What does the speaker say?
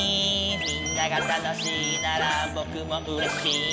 「みんなが楽しいならぼくもうれしい」